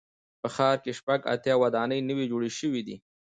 په ښار کې شپږ اتیا ودانۍ نوي جوړې شوې دي.